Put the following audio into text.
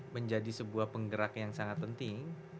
menjadi sebuah penggerak yang sangat penting